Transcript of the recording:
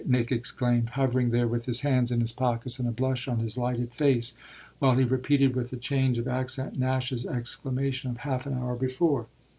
Nick exclaimed, hovering there with his hands in his pockets and a blush on his lighted face, while he repeated with a change of accent Nash's exclamation of half an hour before.